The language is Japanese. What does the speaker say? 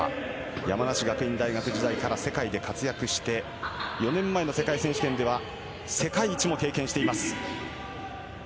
山梨学院大学時代から世界で活躍して、４年目の世界選手権では世界一も経験しています。